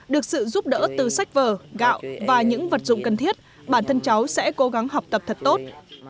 được sự giúp đỡ từ sách vở gạo và những vật dụng cần thiết bản thân cháu sẽ cố gắng học tập thật tốt